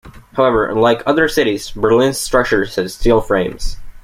However, unlike other cities, Berlin's structures had steel frames.